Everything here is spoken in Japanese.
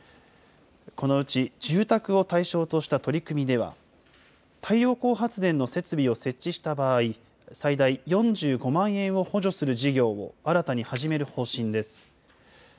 このうち、住宅を対象とした取り組みでは、太陽光発電の設備を設置した場合、最大４５万円を補助する事業を新たに始める方針です。